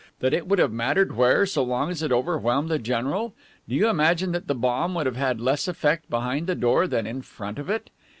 that it would have mattered where, so long as it overwhelmed the general? Do you imagine that the bomb would have had less effect behind the door than in front of it?